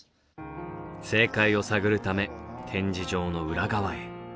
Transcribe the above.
正解を探るため展示場の裏側へ。